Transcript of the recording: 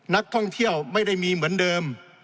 นักท่องเที่ยวไม่ได้มีเหมือนเดิม